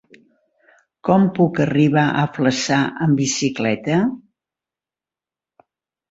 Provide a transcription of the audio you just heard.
Com puc arribar a Flaçà amb bicicleta?